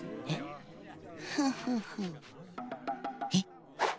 えっ。